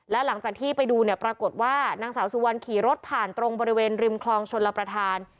และหลังจากที่ไปดูเนี่ยปรากฏว่านางสาวสุวรรณขี่รถผ่านตรงบริเวณริมคลองชนรับประทาน